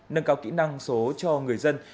nâng cao kỹ năng số cho người dân